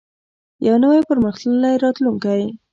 یو نوی او پرمختللی راتلونکی.